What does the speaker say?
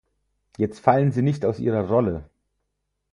Jetzt fallen Sie nicht aus ihrer Rolle!